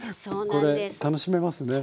これ楽しめますね。